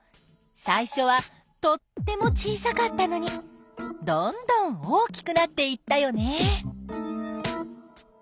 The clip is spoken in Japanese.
最初はとっても小さかったのにどんどん大きくなっていったよね！